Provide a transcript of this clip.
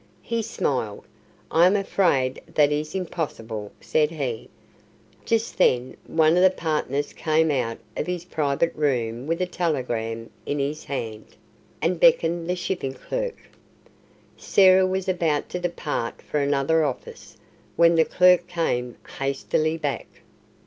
He smiled. "I am afraid that is impossible," said he. Just then one of the partners came out of his private room with a telegram in his hand, and beckoned the shipping clerk. Sarah was about to depart for another office, when the clerk came hastily back.